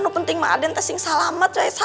gak penting aden sih yang selamat ya selamatnya